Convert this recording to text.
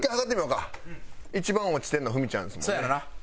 一番落ちてるのはふみちゃんですもんね。